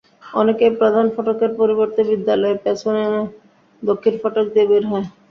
অনেকেই প্রধান ফটকের পরিবর্তে বিদ্যালয়ের পেছনে দক্ষিণ ফটক দিয়ে বের হয়।